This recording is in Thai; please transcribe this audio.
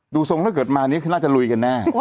ทรงถ้าเกิดมานี่คือน่าจะลุยกันแน่